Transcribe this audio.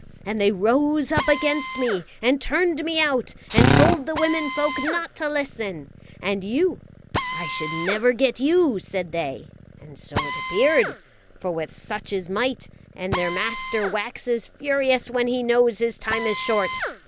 And they rose up against me and turned me out, and told the women folk not to listen; and you I should never get you, said they; and so it appeared, for with such is might, and their master waxes furious when he knows his time is short.